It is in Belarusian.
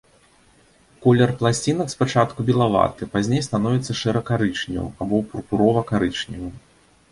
Колер пласцінак спачатку белаваты, пазней становіцца шэра-карычневым або пурпурова-карычневым.